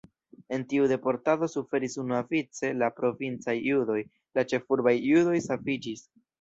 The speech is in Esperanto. En tiu deportado suferis unuavice la provincaj judoj, la ĉefurbaj judoj saviĝis.